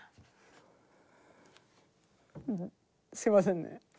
すいませんね。